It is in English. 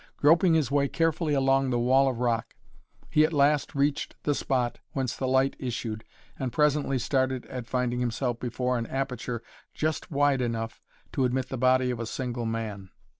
Groping his way carefully along the wall of rock, he at last reached the spot whence the light issued and presently started at finding himself before an aperture just wide enough to admit the body of a single man.